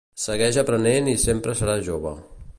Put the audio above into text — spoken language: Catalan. Segueix aprenent i sempre seràs jove.